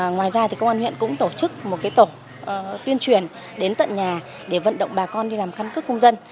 ngoài ra công an huyện cũng tổ chức một tổ tuyên truyền đến tận nhà để vận động bà con đi làm căn cước công dân